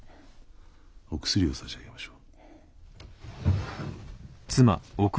お薬を差し上げましょう。